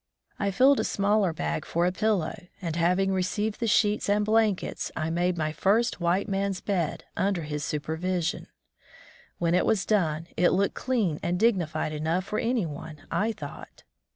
I filled a smaller bag for a pillow, and, having received the sheets and blankets, I made my first white man's bed mider his supervision. When it was done it looked clean and dignified enough for any one, I thought.